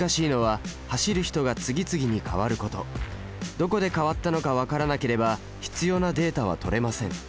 どこで変わったのか分からなければ必要なデータは取れません。